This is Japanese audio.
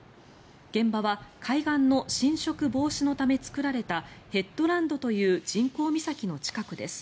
現場は海岸の浸食防止のため造られたヘッドランドという人工岬の近くです。